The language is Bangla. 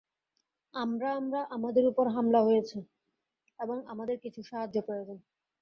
আমরা-আমরা-আমাদের ওপর হামলা হয়েছে, এবং আমাদের কিছু সাহায্য প্রয়োজন।